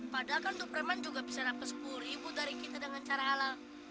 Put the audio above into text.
padahal kan untuk preman juga bisa dapat sepuluh ribu dari kita dengan cara halal